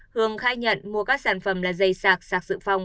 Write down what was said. hương khai nhận mua các sản phẩm là dây sạc sạc dự phòng